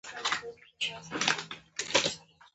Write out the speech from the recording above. ناکامي هغې چلبازې او ټګې پديدې ته ورته ده.